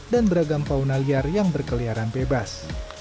dan beragam pauna liar yang berkeliaran bebas